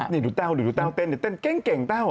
นี่ดูเต้าเต้นเก่งเก่งเต้า